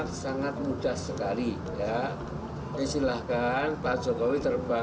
dan di istana negara